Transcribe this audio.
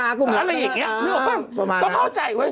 อะไรอย่างนี้เดี๋ยวผมขึ้นเขาเข้าใจ